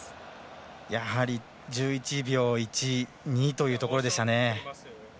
やはり１１秒１、２というところでしたね。